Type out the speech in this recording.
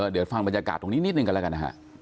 เดี๋ยวฟังบรรยากาศนี้นิดหนึ่งกัน